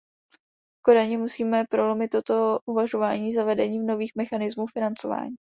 V Kodani musíme prolomit toto uvažování zavedením nových mechanismů financování.